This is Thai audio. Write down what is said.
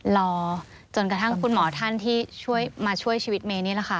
รอจนกระทั่งคุณหมอท่านที่ช่วยมาช่วยชีวิตเมย์นี่แหละค่ะ